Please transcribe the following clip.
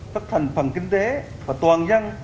các thành phần kinh tế và toàn dân